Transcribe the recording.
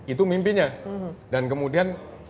itu mimpinya dan kemudian